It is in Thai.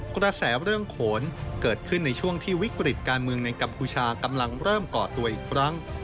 กระแสเรื่องโขนเกิดขึ้นในช่วงที่วิกฤตการเมืองในกัมพูชากำลังเริ่มก่อตัวอีกครั้ง